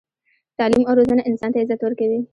تعلیم او روزنه انسان ته عزت ورکوي.